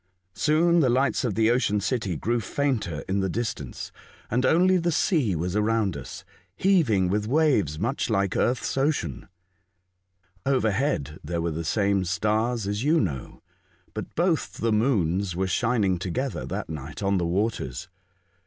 Soon the lights of the ocean city grew K 2 132 A Voyage to Other Worlds. fainter in the distance and only the sea was around us, heaving with waves much hke earth's ocean. Overhead there were the same stars as you know, but both the moons were shining together that night on the waters.